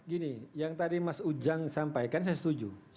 gini yang tadi mas ujang sampaikan saya setuju